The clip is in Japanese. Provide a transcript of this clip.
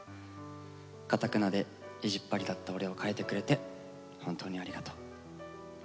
かたくなで意地っ張りだった俺を変えてくれてホントにありがとう。